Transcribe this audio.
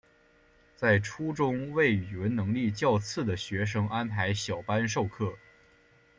在初中为语文能力较次的学生安排小班授课。